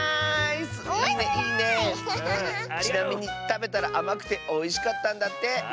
ちなみにたべたらあまくておいしかったんだって。